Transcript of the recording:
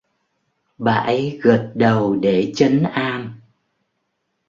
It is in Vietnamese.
bà ấy gật đầu để chấn an